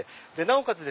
なおかつ